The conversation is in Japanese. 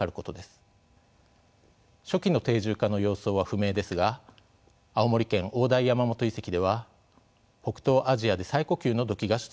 初期の定住化の様相は不明ですが青森県大平山元遺跡では北東アジアで最古級の土器が出土しました。